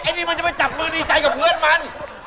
ไอ้นี่จะไปจับมือดีใจกับเพื่อนมัน